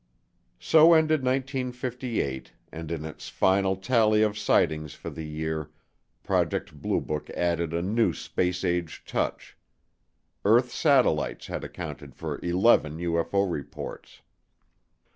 So ended 1958 and in its final tally of sightings for the year Project Blue Book added a new space age touch earth satellites had accounted for eleven UFO reports.